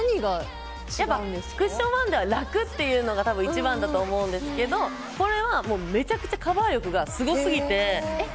クッションファンデは楽っていうのが一番だと思うんですけどこれはめちゃくちゃカバー力がすごすぎて。